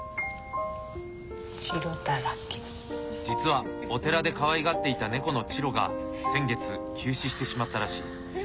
実はお寺でかわいがっていた猫のチロが先月急死してしまったらしい。